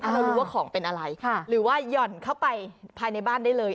เรารู้ว่าของเป็นอะไรหรือว่าหย่อนเข้าไปภายในบ้านได้เลย